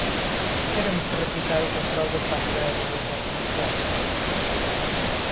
Teremos que replicar o control do espazo aéreo de voos comerciais.